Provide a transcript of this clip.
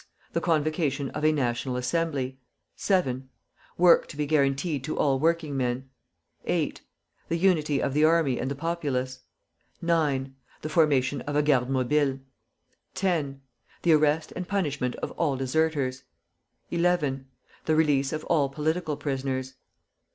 The convocation of a National Assembly. 7. Work to be guaranteed to all working men. 8. The unity of the army and the populace. 9. The formation of a Garde Mobile. 10. The arrest and punishment of all deserters. 11. The release of all political prisoners.